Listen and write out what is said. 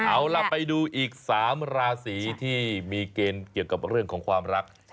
เอาล่ะไปดูอีก๓ราศีที่มีเกณฑ์เกี่ยวกับเรื่องของความรัก